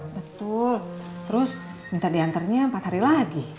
betul terus minta diantarnya empat hari lagi